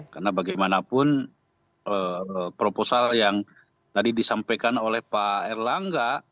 karena bagaimanapun proposal yang tadi disampaikan oleh pak erlangga